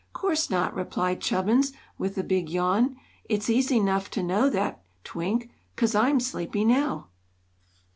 "'Course not," replied Chubbins, with a big yawn. "It's easy 'nough to know that, Twink, 'cause I'm sleepy now!"